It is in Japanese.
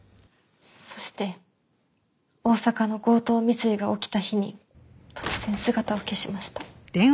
そして大阪の強盗未遂が起きた日に突然姿を消しました。